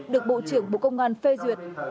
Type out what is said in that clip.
được bộ trưởng bộ công an phê duyệt